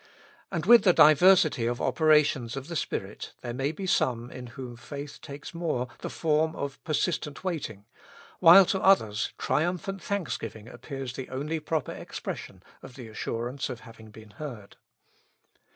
And with the diversity of operations of the Spirit there may be some in whom faith takes more the form of persistent waiting ; while to others, tri umphant thanksgiving appears the only proper ex pression of the assurance of having been heard.